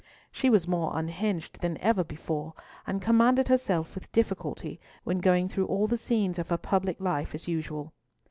She was more unhinged than ever before, and commanded herself with difficulty when going through all the scenes of her public life as usual.